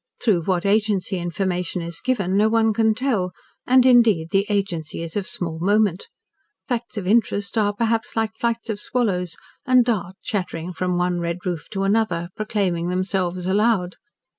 Through what agency information is given no one can tell, and, indeed, the agency is of small moment. Facts of interest are perhaps like flights of swallows and dart chattering from one red roof to another, proclaiming themselves aloud.